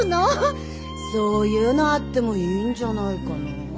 そういうのあってもいいんじゃないかなあ。